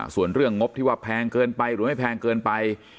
ส่วนเรื่องงบที่ว่าแพงเกินไปหรือไม่แพงเกินไป